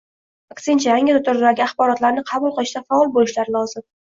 aksincha yangi turdagi axborotlarni qabul qilishda faol boʻlishlari lozim.